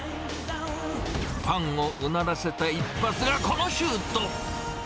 ファンをうならせた一発がこのシュート。